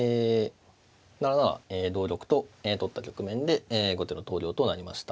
同玉と取った局面で後手の投了となりました。